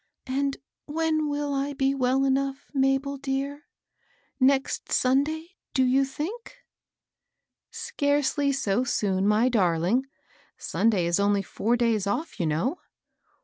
"And when will I be well enough, Mabel dear? — next Sunday, do you think?" " Scarcely so soon, my darling. Sunday is only four days off, you know."